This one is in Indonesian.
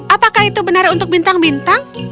apakah itu benar untuk bintang bintang